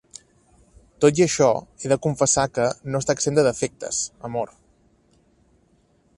Tot i això, he de confessar que no està exempt de defectes, amor.